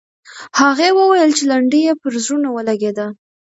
هغې وویل چې لنډۍ یې پر زړونو ولګېده.